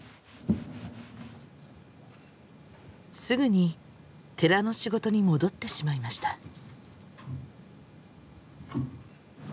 すぐに寺の仕事に戻ってしまいました。